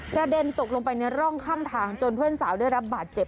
เด็นตกลงไปในร่องข้างทางจนเพื่อนสาวได้รับบาดเจ็บ